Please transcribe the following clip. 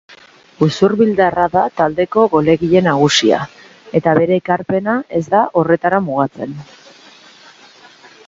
Usurbildarra da taldeko golegile nagusia eta bere ekarpena ez da horretara mugatzen.